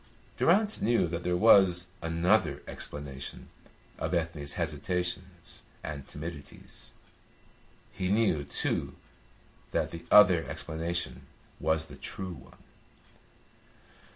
Durrance knew that there was another explanation of Ethne's hesitations and timidities. He knew, too, that the other explanation was the true one.